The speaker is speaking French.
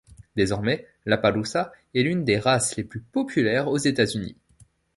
Désormais, l'Appaloosa est l'une des races les plus populaires aux États-Unis.